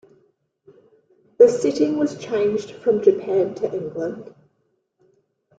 The setting was changed from Japan to England.